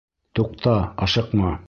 Туҡта, ашыҡма.